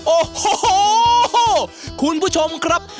โอ้โหคุณผู้ชมครับ